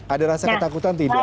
ada rasa ketakutan tidak